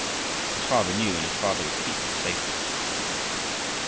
His Father knew and his Father would keep him safely.